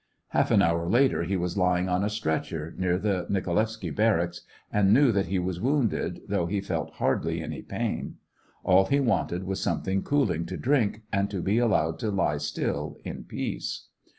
Half an hour later, he was lying on a stretcher, near the Nikolaevsky barracks, and knew that he was wounded, though he felt hardly any pain ; all he wanted was something cooling to drink, and to be allowed to lie still in peace.